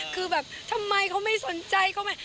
คือแบบทำไมเขาไม่สนใจเขาไม่